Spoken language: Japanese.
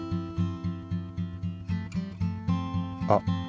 あっ！